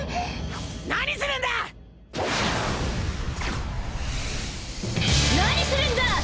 何するんだ！